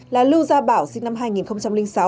là lưu gia bảo sinh năm hai nghìn sáu